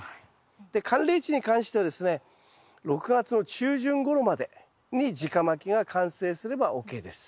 で寒冷地に関してはですね６月の中旬ごろまでに直まきが完成すればＯＫです。